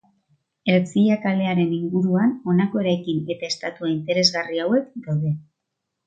Ertzilla kalearen inguruan honako eraikin eta estatua interesgarri hauek daude.